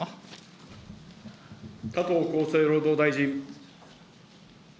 加藤厚生労働大臣。